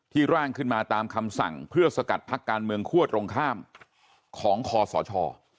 ร่างขึ้นมาตามคำสั่งเพื่อสกัดพักการเมืองคั่วตรงข้ามของคอสช